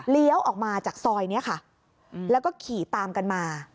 ออกมาจากซอยนี้ค่ะแล้วก็ขี่ตามกันมา